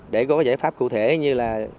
để có giải pháp cụ thể như là